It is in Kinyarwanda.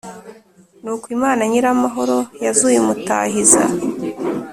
Nuko Imana nyir amahoro yazuye Umutahiza